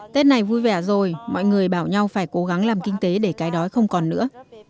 tết này vui vẻ rồi mọi người bảo nhau phải cố gắng làm kinh tế để cái đói không còn nữa